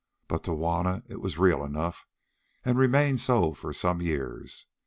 But to Juanna it was real enough, and remained so for some years.